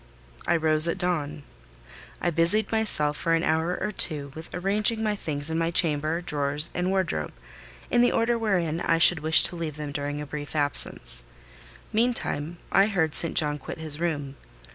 I rose at dawn. I busied myself for an hour or two with arranging my things in my chamber, drawers, and wardrobe, in the order wherein I should wish to leave them during a brief absence. Meantime, I heard St. John quit his room.